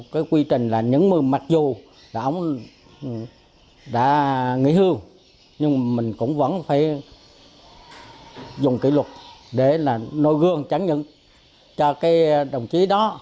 cái quy trình là nhấn mưu mặc dù là ông đã nghỉ hương nhưng mình cũng vẫn phải dùng kỷ luật để là nội gương chẳng những cho cái đồng chí đó